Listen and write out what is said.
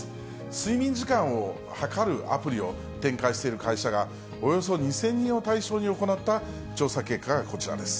睡眠時間を計るアプリを展開している会社が、およそ２０００人を対象に行った調査結果がこちらです。